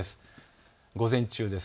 午前中です。